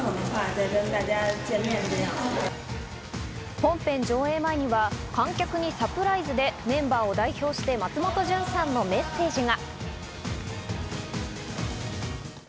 本編上映前には観客にサプライズでメンバーを代表して松本潤さんのメッセージが。